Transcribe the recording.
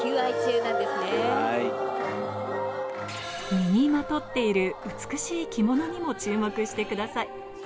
身にまとっている美しい着物にも注目してください。